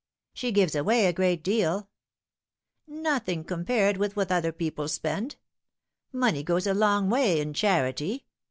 " She gives away a great deal" " Nothing compared with what other people spend. Money goes a long way in charity.